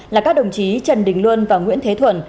là các đồng chí trần đình luân và nguyễn thế thuần